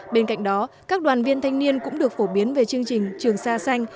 bên cạnh đó các đoàn viên thanh niên cũng được phổ biến về chương trình trường sa xanh